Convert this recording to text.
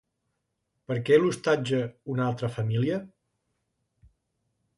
Per què l'hostatja una altra família?